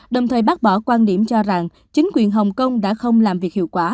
đồng thời bác bỏ quan điểm cho rằng chính quyền hồng kông đã không làm việc hiệu quả